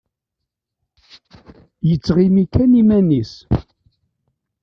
Yettɣimi kan iman-is.